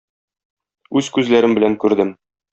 Үз күзләрем белән күрдем.